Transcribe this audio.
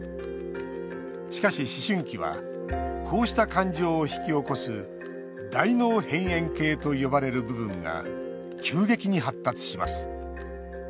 しかし、思春期はこうした感情を引き起こす大脳辺縁系と呼ばれる部分が急激に発達します。